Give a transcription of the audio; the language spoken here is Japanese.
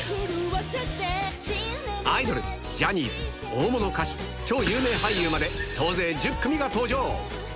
アイドル、ジャニーズ、大物歌手、超有名俳優まで、総勢１０組が登場。